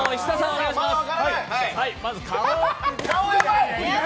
お願いします。